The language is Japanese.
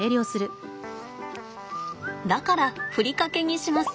だからふりかけにします。